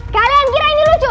kalian kira ini lucu